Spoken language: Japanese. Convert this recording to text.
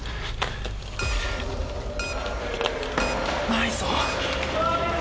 ないぞ。